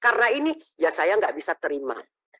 karena ini ya saya tidak bisa terima